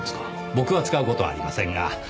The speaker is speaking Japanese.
僕は使う事はありませんが。